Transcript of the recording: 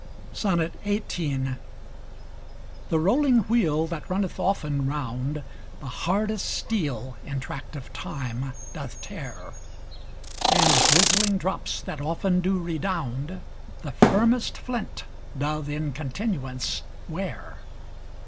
XVIII The rolling wheel that runneth often round, The hardest steel in tract of time doth tear: And drizling drops that often do redound, The firmest flint doth in continuance wear.